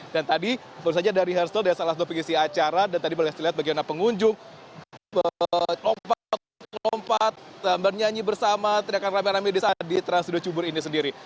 dan tadi baru saja ada rehearsal dari salah satu pengisi acara dan tadi boleh dilihat bagaimana pengunjung lompat bernyanyi bersama teriakan ramai ramai di trans studio cibubur ini sendiri